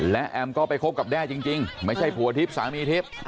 และแอมก็ไปคบกับแด้จริงไม่ใช่ผัวทิพย์สามีทิพย์